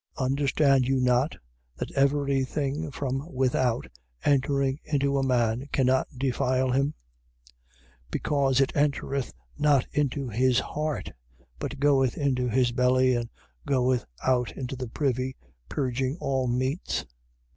Understand you not that every thing from without entering into a man cannot defile him: 7:19. Because it entereth not into his heart but goeth into his belly and goeth out into the privy, purging all meats?